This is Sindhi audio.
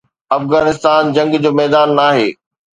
افغانستان جنگ جو ميدان ناهي.